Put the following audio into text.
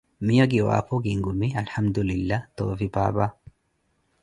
miyo kiwaapho kinkumi alihamtulillah, toovi paapa?